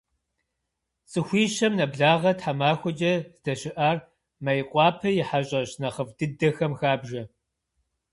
Цӏыхуищэм нэблагъэ тхьэмахуэкӏэ здэщыӏар Мейкъуапэ и хьэщӏэщ нэхъыфӏ дыдэхэм хабжэ.